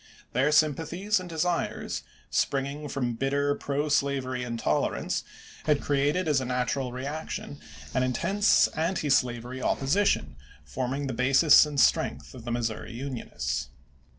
Their sympathies and desires, springing from bitter pro slavery intolerance, had created as a natural reaction an intense antislavery opposition, forming the basis and strength of the Missouri Unionists.